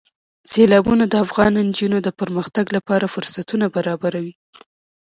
سیلابونه د افغان نجونو د پرمختګ لپاره فرصتونه برابروي.